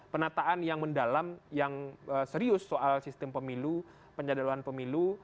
penataan yang mendalam yang serius soal sistem pemilu penyadaluhan pemilu